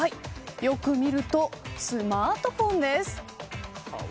よく見るとスマートフォンです。